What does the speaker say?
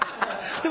でも。